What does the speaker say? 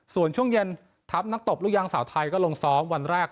ส่วนช่วงเย็นทัพนักตบลูกยางสาวไทยก็ลงซ้อมวันแรก